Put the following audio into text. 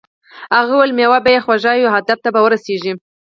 هغه وویل میوه به یې خوږه وي او هدف ته به ورسیږې.